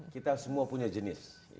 kita semua punya jenis